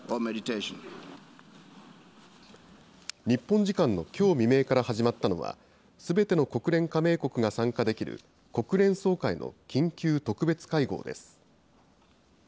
日本時間のきょう未明から始まったのは、すべての国連加盟国が参加できる国連総会の緊急特別会合です。